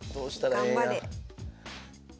頑張れ。